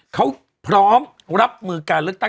เขาพร้อมรับมือการเลือกตั้ง